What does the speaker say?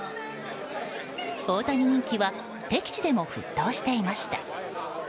大谷人気は敵地でも沸騰していました。